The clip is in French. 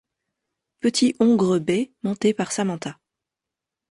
Petit hongre bai monté par Samantha.